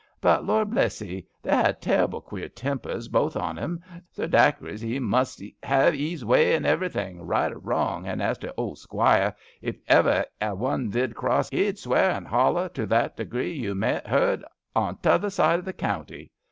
But Lord bless 'ee I they had terrible queer tem pers, both on 'un. Sir Dacres *e must have 'ee's way in every thing, right or wrong, and as to the old Squire, ef e'er a one did cross 'ee, e'd swear and holler to that degree you maet a heard 'un t'other side o' the county.